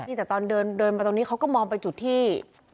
นี่แต่ตอนเดินมาตรงนี้เขาก็มองไปจุดที่